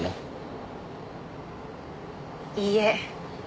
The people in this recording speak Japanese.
いいえ。